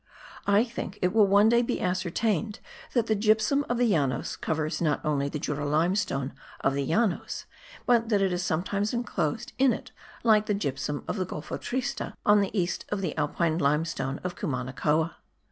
I think it will one day be ascertained that the gypsum of the Llanos covers not only the Jura limestone of the Llanos, but that it is sometimes enclosed in it like the gypsum of the Golfo Triste on the east of the Alpine limestone of Cumanacoa.